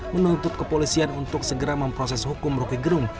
menuntut kepolisian untuk segera memproses hukum roky gerung